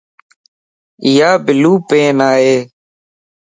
ايا بلو پين ائي.